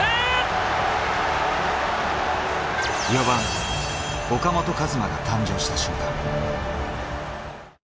４番・岡本和真が誕生した瞬間。